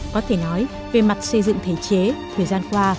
có thể nói về mặt xây dựng thể chế thời gian qua